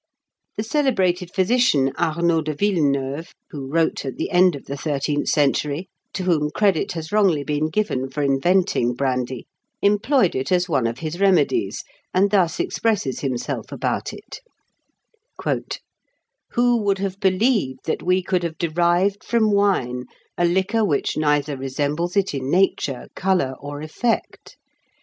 The celebrated physician Arnauld de Villeneuve, who wrote at the end of the thirteenth century, to whom credit has wrongly been given for inventing brandy, employed it as one of his remedies, and thus expresses himself about it: "Who would have believed that we could have derived from wine a liquor which neither resembles it in nature, colour, or effect?....